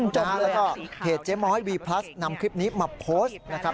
แล้วก็เพจเจ๊ม้อยวีพลัสนำคลิปนี้มาโพสต์นะครับ